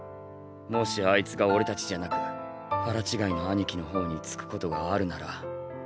もしあいつが俺たちじゃなく腹違いの兄貴の方に付くことがあるなら。